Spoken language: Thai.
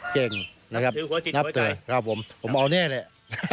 เก่งนะครับถือหัวจิตหัวใจครับผมผมเอาเนี้ยแหละ